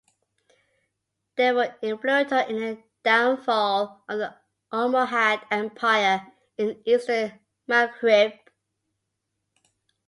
They were influential in the downfall of the Almohad Empire in Eastern Maghrib.